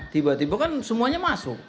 tiba tiba kan semuanya masuk